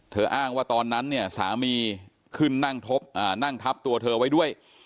อ้างว่าตอนนั้นเนี่ยสามีขึ้นนั่งทับตัวเธอไว้ด้วย